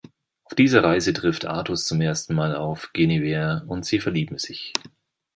Auf dieser Reise trifft Artus zum ersten Mal auf Guinevere und sie verlieben sich.